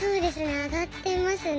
上がってますね。